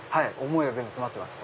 思いが詰まってます。